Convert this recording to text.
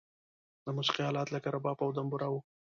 د موسیقی آلات لکه رباب او دمبوره و.